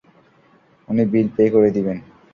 উনি bill pay করে দিবেন।